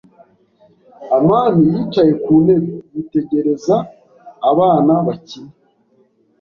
amani yicaye ku ntebe, yitegereza abana bakina.